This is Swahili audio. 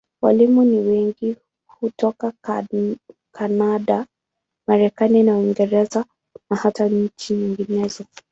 Walimu ni wengi hutoka Kanada, Marekani na Uingereza, na hata nchi nyinginezo.